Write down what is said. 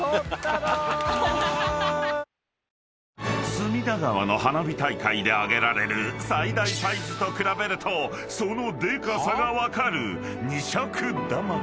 ［隅田川の花火大会で上げられる最大サイズと比べるとそのでかさが分かる二尺玉］